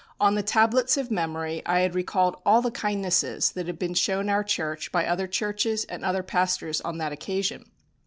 On the tablets of memory I had recalled all the kindnesses that had been shown our church by other churches and other pastors on that occasion.